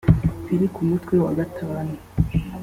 biri k’umutwe wagatanu